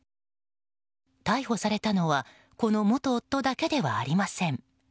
逮捕されたのはこの元夫だけではありません。